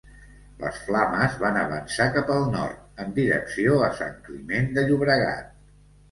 Les flames van avançar cap al nord, en direcció a Sant Climent de Llobregat.